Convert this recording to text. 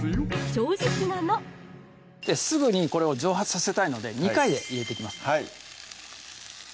正直なのすぐにこれを蒸発させたいので２回で入れていきます